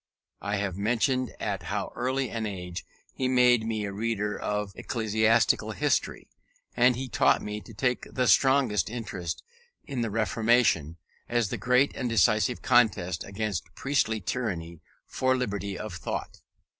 I have mentioned at how early an age he made me a reader of ecclesiastical history; and he taught me to take the strongest interest in the Reformation, as the great and decisive contest against priestly tyranny for liberty of thought.